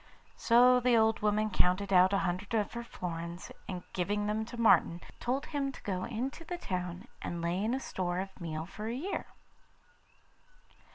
So the old woman counted out a hundred of her florins, and giving them to Martin, told him to go into the town and lay in a store of meal for a year.